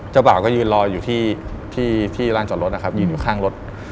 บ่าวก็ยืนรออยู่ที่ร้านจอดรถนะครับยืนอยู่ข้างรถ